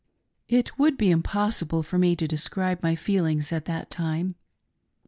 It would be impossible for me to describe my feelings at that time.